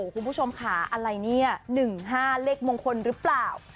คุณผู้ชมค่ะอะไรเนี่ย๑๕เลขมงคลหรือเปล่า